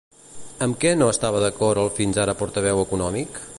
Amb què no estava d'acord el fins ara portaveu econòmic?